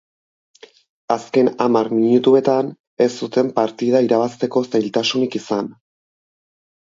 Azken hamar minutuetan ez zuten partida irabazteko zailtasunik izan.